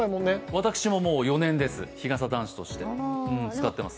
私ももう４年です、日傘男子として使ってます